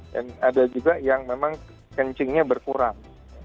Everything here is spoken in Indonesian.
dan ada juga yang memang kencingnya berkurang